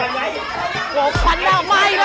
คอนด้ามาอีกชุดใหญ่เร็วครับตี